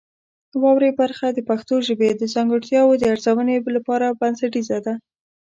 واورئ برخه د پښتو ژبې د ځانګړتیاوو د ارزونې لپاره بنسټیزه ده.